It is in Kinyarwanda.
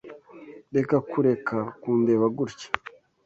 Reka kureka kundeba gutya.